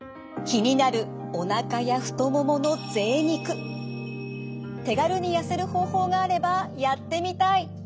気になるおなかや太ももの手軽に痩せる方法があればやってみたい！